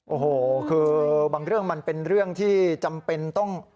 โอ้โหคือบางเรื่องมันเป็นเรื่องที่จำเป็นต้อง